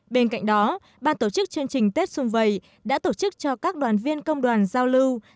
bên cạnh đó ban tổ chức chương trình tết xuân vầy đã tổ chức cho các đoàn viên công đoàn giao lưu